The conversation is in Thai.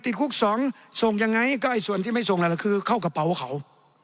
ติดคุกสองส่งยังไงก็ไอ้ส่วนที่ไม่ส่งอะไรล่ะคือเข้ากระเป๋าเขา